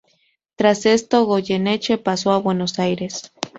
Tras esto, Goyeneche pasó a Buenos Aires.